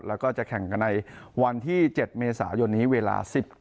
แล้วก็จะแข่งกันในวันที่๗เมษายนนะครับ